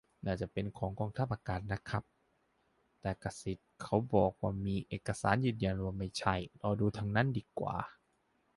น่าจะเป็นของกองทัพอากาศนะครับ แต่กษิตเขาบอกว่ามีเอกสารยืนยันว่าไม่ใช่ รอดูทางนั้นดีกว่า